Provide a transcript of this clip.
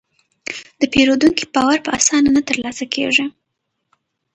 د پیرودونکي باور په اسانه نه ترلاسه کېږي.